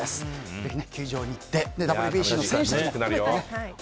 ぜひ球場に行ってＷＢＣの選手たちを。